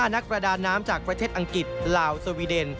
นักประดาน้ำจากประเทศอังกฤษลาวสวีเดน